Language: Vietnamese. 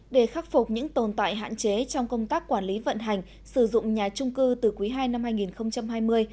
để khắc phục những tồn tại hạn chế trong công tác quản lý vận hành sử dụng nhà trung cư từ quý ii năm hai nghìn hai mươi